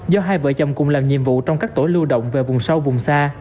do hai vợ chồng cùng làm nhiệm vụ trong các tổ lưu động về vùng sâu vùng xa